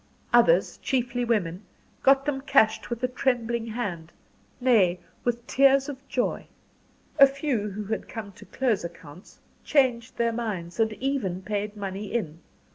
Others, chiefly women, got them cashed with a trembling hand nay, with tears of joy. A few who had come to close accounts, changed their minds, and even paid money in.